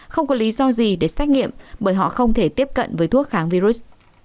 không có lý do gì để xét nghiệm bởi họ không thể tiếp cận với thuốc kháng virus